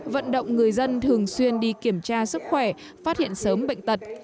vận động người dân thường xuyên đi kiểm tra sức khỏe phát hiện sớm bệnh tật